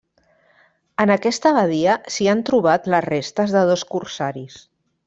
En aquesta badia s'hi han trobat les restes de dos corsaris.